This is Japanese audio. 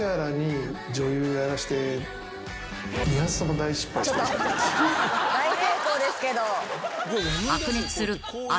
大成功ですけど。